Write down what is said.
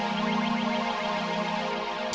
aku edar harus